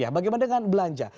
bagaimana dengan belanja